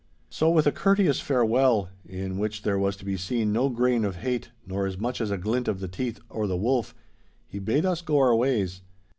So, with a courteous farewell, in which there was to be seen no grain of hate nor as much as a glint of the teeth or the wolf, he bade us go our ways.